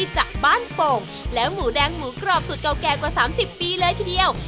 จากบ้านโป่งแล้วหมูแดงหมูกรอบสูตรเก่าแก่กว่า๓๐ปีเลยทีเดียว